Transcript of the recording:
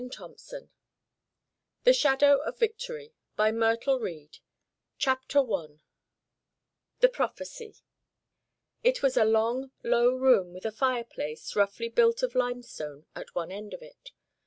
THE REPRIEVE 397 THE SHADOW OF VICTORY CHAPTER I THE PROPHECY It was a long, low room, with a fireplace, roughly built of limestone, at one end of it.